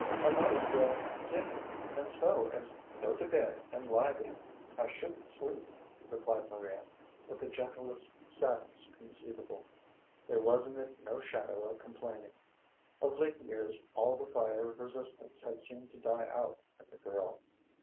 "I might as well sit here and sew as go to bed and lie there. I shouldn't sleep," replied Maria, with the gentlest sadness conceivable. There was in it no shadow of complaining. Of late years all the fire of resistance had seemed to die out in the girl.